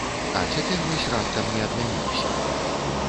А цяпер вось раптам не адмяніўся.